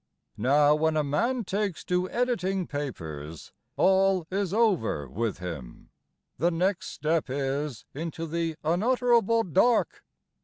Now when a man takes to editing papers All is over with him: The next step is Into the unutterable dark.